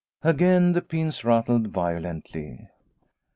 Again the pins rattled violently.